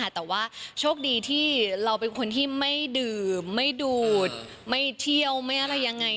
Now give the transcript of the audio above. แต่ว่าโชคดีที่เราเป็นคนที่ไม่ดื่มไม่ดูดไม่เที่ยวไม่อะไรยังไง